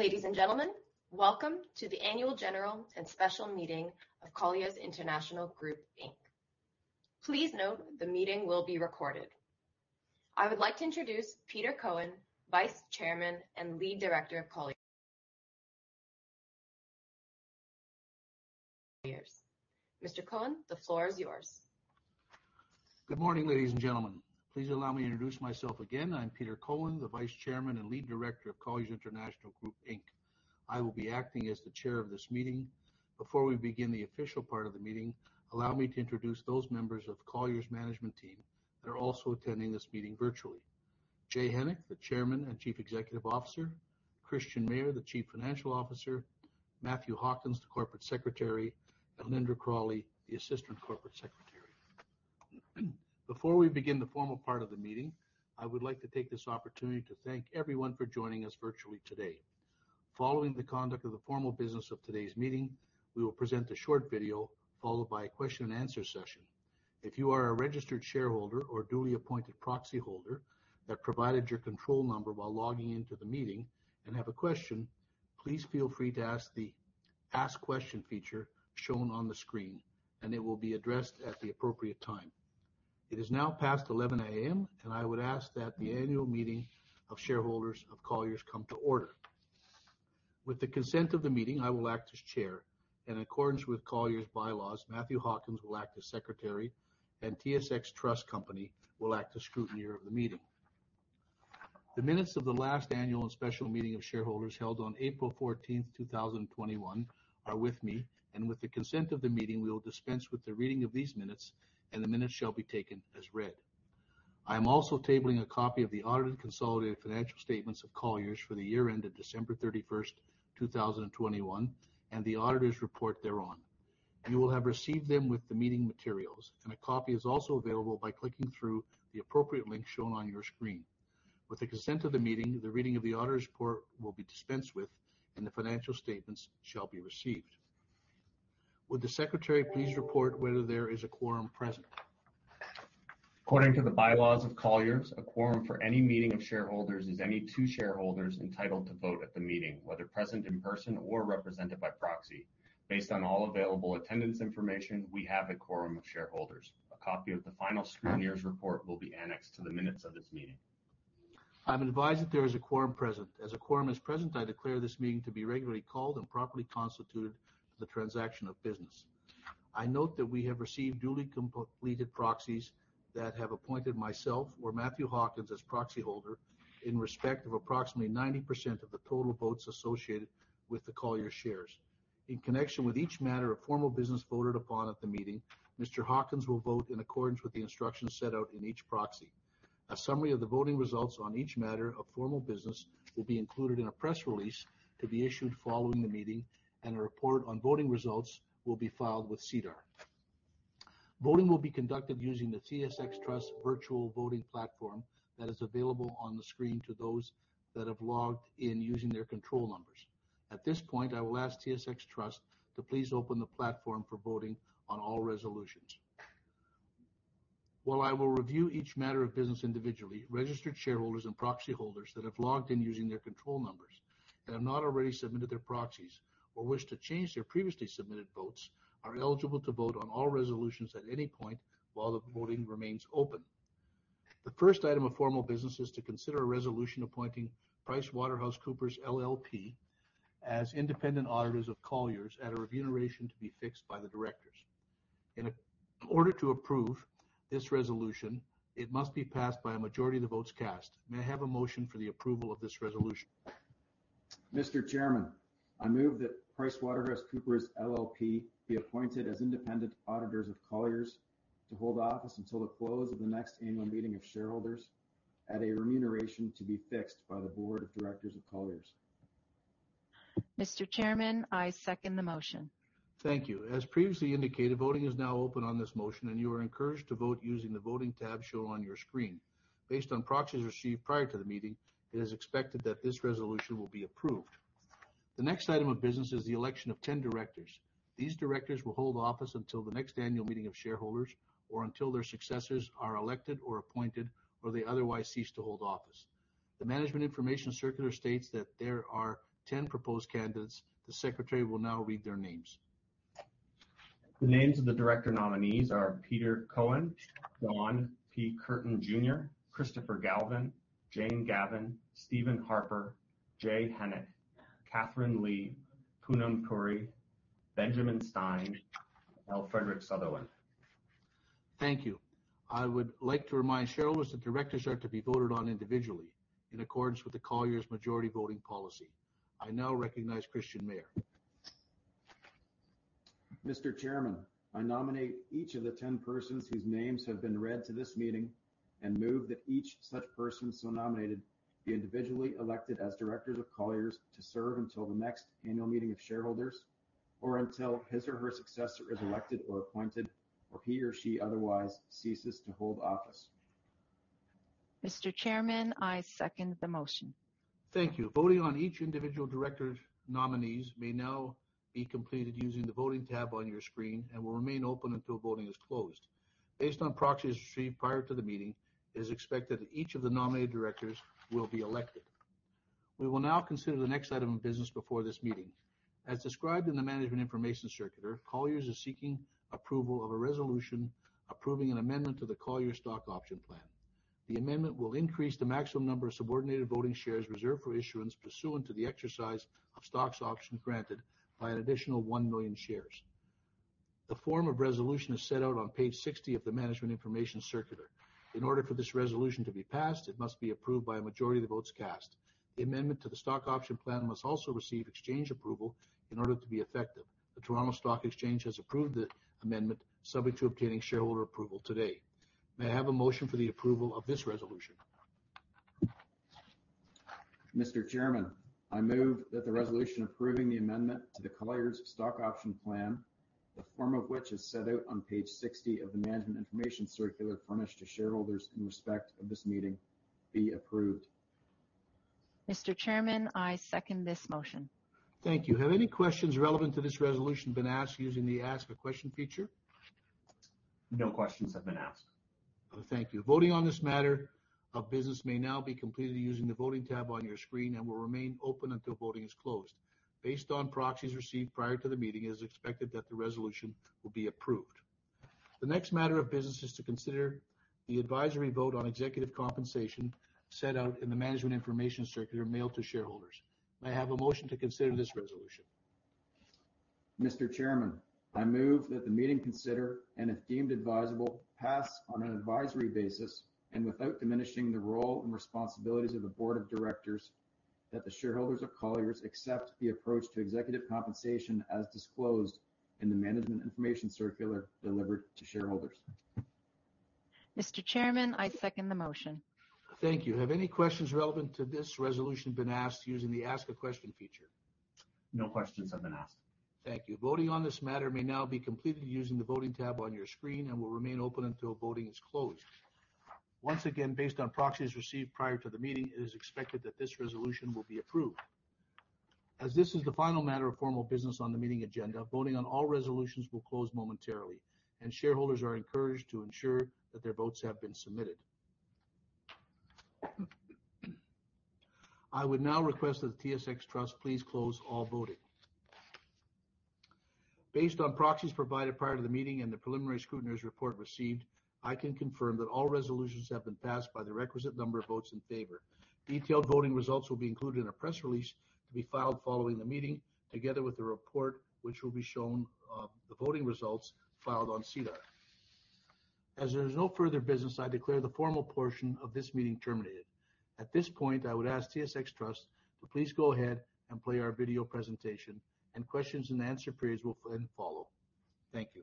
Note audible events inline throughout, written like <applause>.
Ladies and gentlemen, welcome to the Annual General and Special Meeting of Colliers International Group Inc. Please note the meeting will be recorded. I would like to introduce Peter Cohen, Vice Chairman and Lead Director of Colliers. Mr. Cohen, the floor is yours. Good morning, ladies and gentlemen. Please allow me to introduce myself again. I'm Peter Cohen, the Vice Chairman and Lead Director of Colliers International Group Inc. I will be acting as the chair of this meeting. Before we begin the official part of the meeting, allow me to introduce those members of Colliers' management team that are also attending this meeting virtually. Jay Hennick, the Chairman and Chief Executive Officer. Christian Mayer, the Chief Financial Officer. Matthew Hawkins, Corporate Secretary, and Lynda Cralli, the Assistant Corporate Secretary. Before we begin the formal part of the meeting, I would like to take this opportunity to thank everyone for joining us virtually today. Following the conduct of the formal business of today's meeting, we will present a short video followed by a question-and-answer session. If you are a registered shareholder or duly appointed proxy holder that provided your control number while logging into the meeting and have a question, please feel free to ask the Ask Question feature shown on the screen, and it will be addressed at the appropriate time. It is now past 11 A.M., and I would ask that the annual meeting of shareholders of Colliers come to order. With the consent of the meeting, I will act as chair. In accordance with Colliers' bylaws, Matthew Hawkins will act as secretary, and TSX Trust Company will act as scrutineer of the meeting. The minutes of the last annual and special meeting of shareholders held on April 14th, 2021 are with me, and with the consent of the meeting, we will dispense with the reading of these minutes, and the minutes shall be taken as read. I am also tabling a copy of the audited consolidated financial statements of Colliers for the year ended December 31, 2021 and the auditor's report thereon. You will have received them with the meeting materials, and a copy is also available by clicking through the appropriate link shown on your screen. With the consent of the meeting, the reading of the auditor's report will be dispensed with, and the financial statements shall be received. Would the secretary please report whether there is a quorum present? According to the bylaws of Colliers, a quorum for any meeting of shareholders is any two shareholders entitled to vote at the meeting, whether present in person or represented by proxy. Based on all available attendance information, we have a quorum of shareholders. A copy of the final scrutineer's report will be annexed to the minutes of this meeting. I'm advised that there is a quorum present. As a quorum is present, I declare this meeting to be regularly called and properly constituted for the transaction of business. I note that we have received duly completed proxies that have appointed myself or Matthew Hawkins as proxy holder in respect of approximately 90% of the total votes associated with the Colliers shares. In connection with each matter of formal business voted upon at the meeting, Mr. Hawkins will vote in accordance with the instructions set out in each proxy. A summary of the voting results on each matter of formal business will be included in a press release to be issued following the meeting, and a report on voting results will be filed with SEDAR. Voting will be conducted using the TSX Trust virtual voting platform that is available on the screen to those that have logged in using their control numbers. At this point, I will ask TSX Trust to please open the platform for voting on all resolutions. While I will review each matter of business individually, registered shareholders and proxy holders that have logged in using their control numbers and have not already submitted their proxies or wish to change their previously submitted votes, are eligible to vote on all resolutions at any point while the voting remains open. The first item of formal business is to consider a resolution appointing PricewaterhouseCoopers LLP as independent auditors of Colliers at a remuneration to be fixed by the directors. In order to approve this resolution, it must be passed by a majority of the votes cast. May I have a motion for the approval of this resolution? Mr. Chairman, I move that PricewaterhouseCoopers LLP be appointed as independent auditors of Colliers to hold office until the close of the next annual meeting of shareholders at a remuneration to be fixed by the board of directors of Colliers. Mr. Chairman, I second the motion. Thank you. As previously indicated, voting is now open on this motion, and you are encouraged to vote using the Voting tab shown on your screen. Based on proxies received prior to the meeting, it is expected that this resolution will be approved. The next item of business is the election of 10 directors. These directors will hold office until the next annual meeting of shareholders or until their successors are elected or appointed, or they otherwise cease to hold office. The management information circular states that there are 10 proposed candidates. The secretary will now read their names. The names of the director nominees are Peter Cohen, John P. Curtin Jr., Christopher Galvin, Jane Gavan, Stephen Harper, Jay Hennick, Katherine Lee, Poonam Puri, Benjamin Stein, L. Frederick Sutherland. Thank you. I would like to remind shareholders that directors are to be voted on individually in accordance with the Colliers' majority voting policy. I now recognize Christian Mayer. Mr. Chairman, I nominate each of the 10 persons whose names have been read to this meeting and move that each such person so nominated be individually elected as directors of Colliers to serve until the next annual meeting of shareholders or until his or her successor is elected or appointed, or he or she otherwise ceases to hold office. Mr. Chairman, I second the motion. Thank you. Voting on each individual director nominees may now be completed using the Voting tab on your screen and will remain open until voting is closed. Based on proxies received prior to the meeting, it is expected each of the nominated directors will be elected. We will now consider the next item of business before this meeting. As described in the Management Information Circular, Colliers is seeking approval of a resolution approving an amendment to the Colliers stock option plan. The amendment will increase the maximum number of subordinate voting shares reserved for issuance pursuant to the exercise of stock options granted by an additional 1 million shares. The form of resolution is set out on page 60 of the Management Information Circular. In order for this resolution to be passed, it must be approved by a majority of the votes cast. The amendment to the stock option plan must also receive exchange approval in order to be effective. The Toronto Stock Exchange has approved the amendment subject to obtaining shareholder approval today. May I have a motion for the approval of this resolution? Mr. Chairman, I move that the resolution approving the amendment to the Colliers stock option plan, the form of which is set out on page 60 of the Management Information Circular furnished to shareholders in respect of this meeting be approved. Mr. Chairman, I second this motion. Thank you. Have any questions relevant to this resolution been asked using the Ask a Question feature? No questions have been asked. Thank you. Voting on this matter of business may now be completed using the voting tab on your screen and will remain open until voting is closed. Based on proxies received prior to the meeting, it is expected that the resolution will be approved. The next matter of business is to consider the advisory vote on executive compensation set out in the Management Information Circular mailed to shareholders. May I have a motion to consider this resolution? Mr. Chairman, I move that the meeting consider, and if deemed advisable, pass on an advisory basis and without diminishing the role and responsibilities of the board of directors, that the shareholders of Colliers accept the approach to executive compensation as disclosed in the Management Information Circular delivered to shareholders. Mr. Chairman, I second the motion. Thank you. Have any questions relevant to this resolution been asked using the Ask a Question feature? No questions have been asked. Thank you. Voting on this matter may now be completed using the voting tab on your screen and will remain open until voting is closed. Once again, based on proxies received prior to the meeting, it is expected that this resolution will be approved. As this is the final matter of formal business on the meeting agenda, voting on all resolutions will close momentarily, and shareholders are encouraged to ensure that their votes have been submitted. I would now request that the TSX Trust please close all voting. Based on proxies provided prior to the meeting and the preliminary scrutineers report received, I can confirm that all resolutions have been passed by the requisite number of votes in favor. Detailed voting results will be included in a press release to be filed following the meeting, together with the report which will be shown, the voting results filed on SEDAR. As there is no further business, I declare the formal portion of this meeting terminated. At this point, I would ask TSX Trust to please go ahead and play our video presentation and questions-and-answer periods will then follow. Thank you.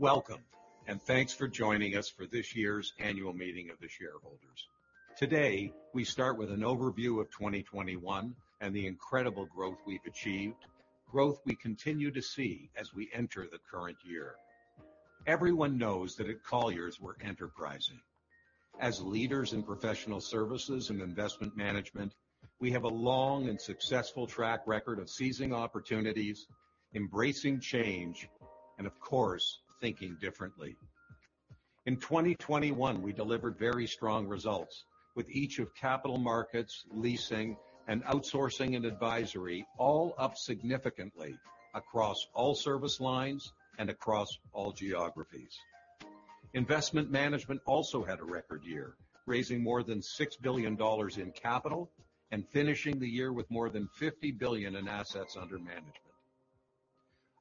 Welcome, and thanks for joining us for this year's annual meeting of the shareholders. Today, we start with an overview of 2021 and the incredible growth we've achieved, growth we continue to see as we enter the current year. Everyone knows that at Colliers we're enterprising. As leaders in professional services and investment management, we have a long and successful track record of seizing opportunities, embracing change, and of course, thinking differently. In 2021, we delivered very strong results with each of Capital Markets, Leasing, and Outsourcing & Advisory all up significantly across all service lines and across all geographies. Investment Management also had a record year, raising more than $6 billion in capital and finishing the year with more than $50 billion in assets under management.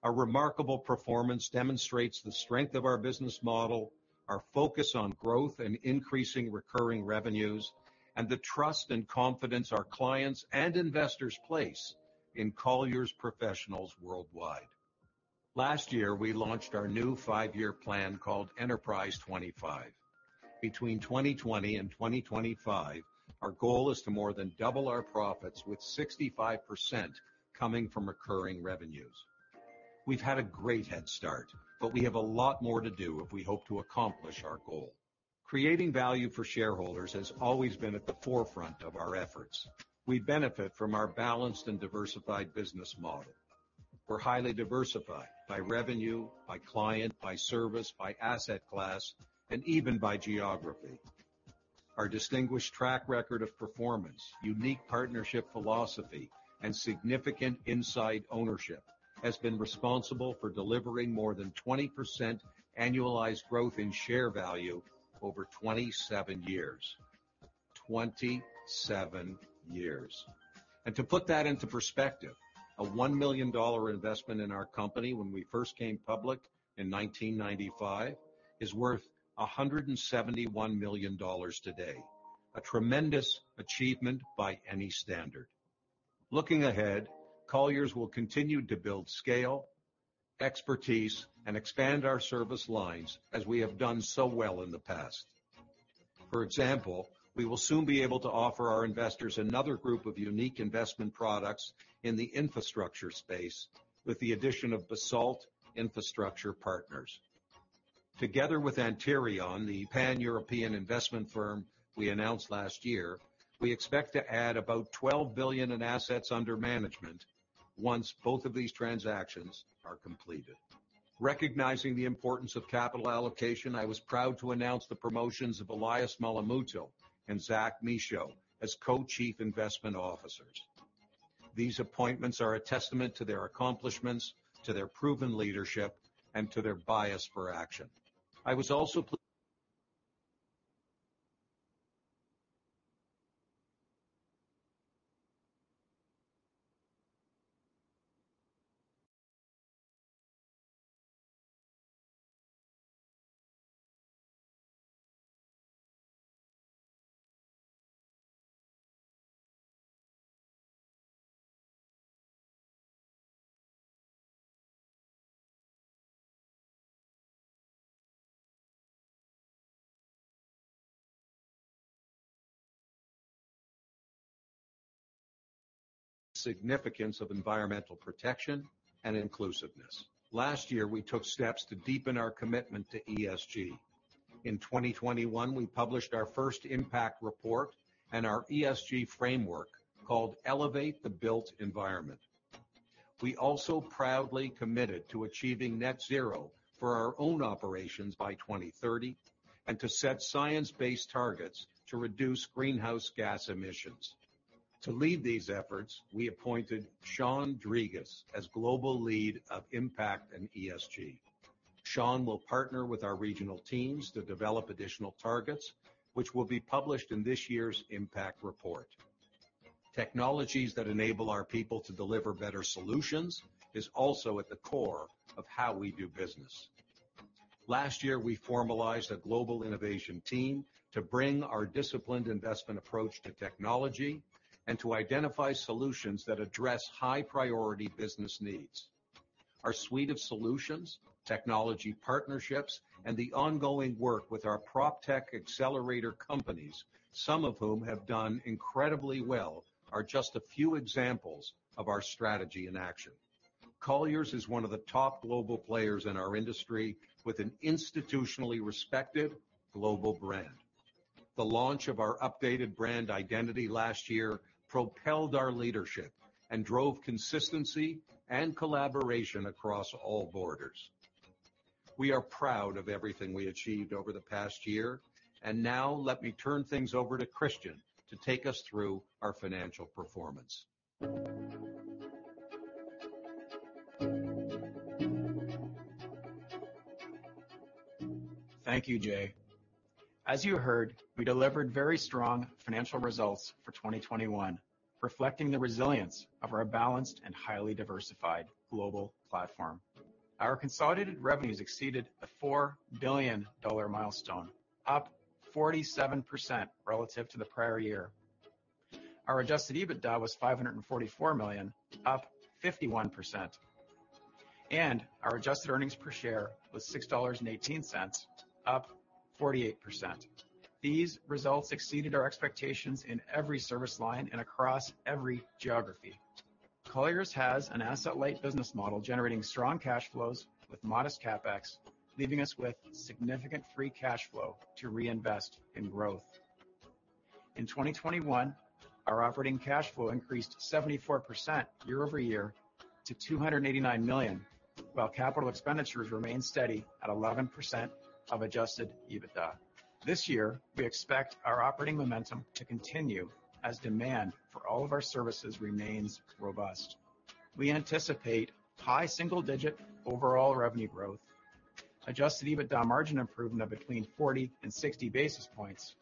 Our remarkable performance demonstrates the strength of our business model, our focus on growth and increasing recurring revenues, and the trust and confidence our clients and investors place in Colliers professionals worldwide. Last year, we launched our new five-year plan called Enterprise 2025. Between 2020 and 2025, our goal is to more than double our profits with 65% coming from recurring revenues. We've had a great head start, but we have a lot more to do if we hope to accomplish our goal. Creating value for shareholders has always been at the forefront of our efforts. We benefit from our balanced and diversified business model. We're highly diversified by revenue, by client, by service, by asset class, and even by geography. Our distinguished track record of performance, unique partnership philosophy, and significant insider ownership has been responsible for delivering more than 20% annualized growth in share value over 27 years. 27 years. To put that into perspective, a $1 million investment in our company when we first came public in 1995 is worth $171 million today. A tremendous achievement by any standard. Looking ahead, Colliers will continue to build scale, expertise, and expand our service lines as we have done so well in the past. For example, we will soon be able to offer our investors another group of unique investment products in the infrastructure space with the addition of Basalt Infrastructure Partners. Together with Antirion, the Pan-European investment firm we announced last year, we expect to add about $12 billion in assets under management once both of these transactions are completed. Recognizing the importance of capital allocation, I was proud to announce the promotions of Elias Mulamoottil and Zachary Michaud as Co-Chief Investment Officers. These appointments are a testament to their accomplishments, to their proven leadership, and to their bias for action. I was also <audio distortion> significance of environmental protection and inclusiveness. Last year, we took steps to deepen our commitment to ESG. In 2021, we published our first impact report and our ESG framework called Elevate the Built Environment. We also proudly committed to achieving net zero for our own operations by 2030, and to set science-based targets to reduce greenhouse gas emissions. To lead these efforts, we appointed Sean Drygas as global lead of Impact and ESG. Sean will partner with our regional teams to develop additional targets, which will be published in this year's impact report. Technologies that enable our people to deliver better solutions is also at the core of how we do business. Last year, we formalized a global innovation team to bring our disciplined investment approach to technology and to identify solutions that address high priority business needs. Our suite of solutions, technology partnerships, and the ongoing work with our proptech accelerator companies, some of whom have done incredibly well, are just a few examples of our strategy in action. Colliers is one of the top global players in our industry with an institutionally respected global brand. The launch of our updated brand identity last year propelled our leadership and drove consistency and collaboration across all borders. We are proud of everything we achieved over the past year, and now let me turn things over to Christian to take us through our financial performance. Thank you, Jay. As you heard, we delivered very strong financial results for 2021, reflecting the resilience of our balanced and highly diversified global platform. Our consolidated revenues exceeded the $4 billion pillar milestone, up 47% relative to the prior year. Our adjusted EBITDA was $544 million, up 51%. Our adjusted earnings per share was $6.18, up 48%. These results exceeded our expectations in every service line and across every geography. Colliers has an asset-light business model generating strong cash flows with modest CapEx, leaving us with significant free cash flow to reinvest in growth. In 2021, our operating cash flow increased 74% year-over-year to $289 million, while capital expenditures remained steady at 11% of adjusted EBITDA. This year, we expect our operating momentum to continue as demand for all of our services remains robust. We anticipate high single digit overall revenue growth, adjusted EBITDA margin improvement of between 40 basis points and 60 basis points,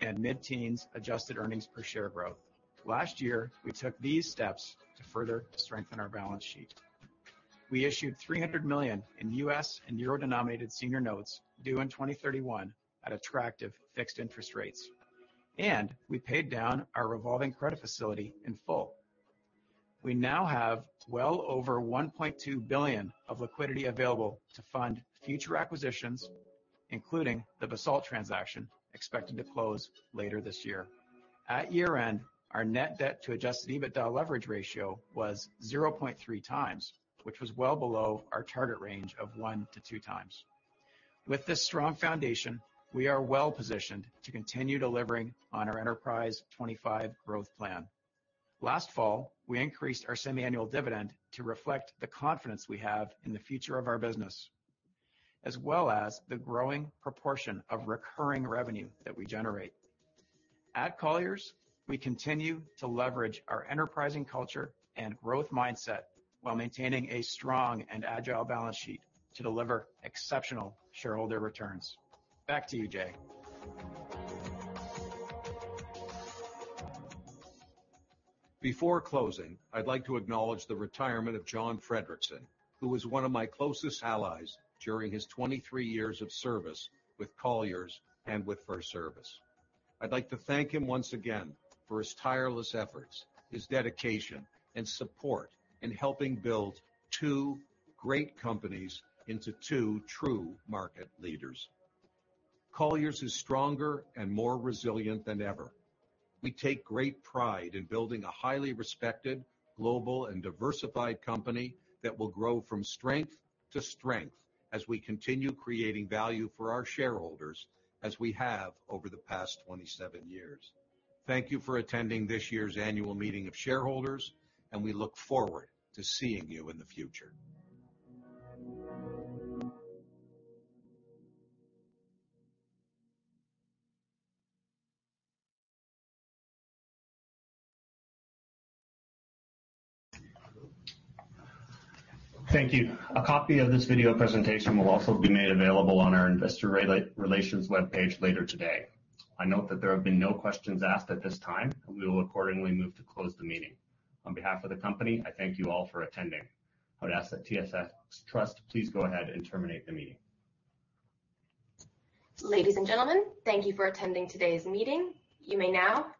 and mid-teens adjusted earnings per share growth. Last year, we took these steps to further strengthen our balance sheet. We issued $300 million in U.S.- and euro-denominated senior notes due in 2031 at attractive fixed interest rates. We paid down our revolving credit facility in full. We now have well over $1.2 billion of liquidity available to fund future acquisitions, including the Basalt transaction expected to close later this year. At year-end, our net debt to adjusted EBITDA leverage ratio was 0.3x, which was well below our target range of 1x-2x. With this strong foundation, we are well positioned to continue delivering on our Enterprise 2025 growth plan. Last fall, we increased our semiannual dividend to reflect the confidence we have in the future of our business, as well as the growing proportion of recurring revenue that we generate. At Colliers, we continue to leverage our enterprising culture and growth mindset while maintaining a strong and agile balance sheet to deliver exceptional shareholder returns. Back to you, Jay. Before closing, I'd like to acknowledge the retirement of John Friedrichsen, who was one of my closest allies during his 23 years of service with Colliers and with FirstService Corporation. I'd like to thank him once again for his tireless efforts, his dedication, and support in helping build two great companies into two true market leaders. Colliers is stronger and more resilient than ever. We take great pride in building a highly respected global and diversified company that will grow from strength to strength as we continue creating value for our shareholders, as we have over the past 27 years. Thank you for attending this year's annual meeting of shareholders, and we look forward to seeing you in the future. Thank you. A copy of this video presentation will also be made available on our Investor Relations webpage later today. I note that there have been no questions asked at this time, and we will accordingly move to close the meeting. On behalf of the company, I thank you all for attending. I would ask that TSX Trust please go ahead and terminate the meeting. Ladies and gentlemen, thank you for attending today's meeting. You may now—